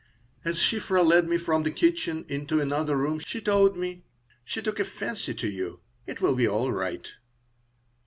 As Shiphrah led me from the kitchen into another room she said: "She took a fancy to you. It will be all right."